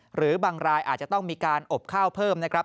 หรือบางรายอาจจะต้องมีการอบข้าวเพิ่มนะครับ